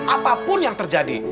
apapun yang terjadi